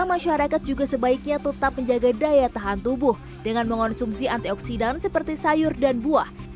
masyarakat juga sebaiknya tetap menjaga daya tahan tubuh dengan mengonsumsi antioksidan seperti sayur dan buah